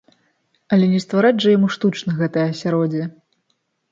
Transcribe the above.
Але не ствараць жа яму штучна гэтае асяроддзе!